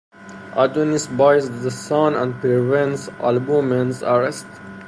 Adonis buys The Sun and prevents Albumen's arrest.